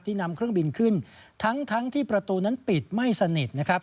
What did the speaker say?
นำเครื่องบินขึ้นทั้งที่ประตูนั้นปิดไม่สนิทนะครับ